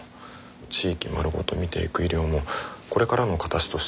地域まるごと診ていく医療もこれからの形としては面白い。